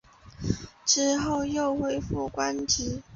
之后又恢复官职。